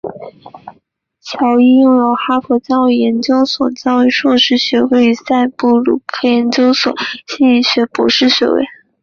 乔伊拥有哈佛教育研究所教育硕士学位与赛布鲁克研究所心理学博士学位。